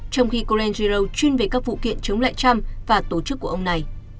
trong khi colangelo chuyên về các vụ kiện chống lại trump và tổ chức của ông này